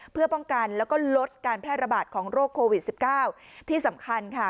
เพื่อป้องกันแล้วก็ลดการแพร่ระบาดของโรคโควิดสิบเก้าที่สำคัญค่ะ